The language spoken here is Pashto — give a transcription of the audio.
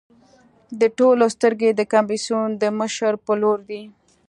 د ټولو سترګې د کمېسیون د مشر په لور دي.